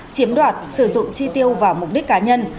chiếm đoạt sử dụng chi tiêu vào mục đích cá nhân